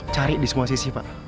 cari di semua sisi pak